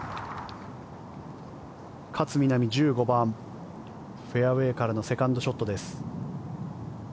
勝みなみ、１５番フェアウェーからのセカンドショットです。